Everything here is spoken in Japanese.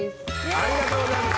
ありがとうございます。